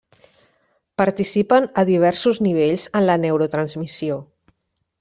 Participen a diversos nivells en la neurotransmissió.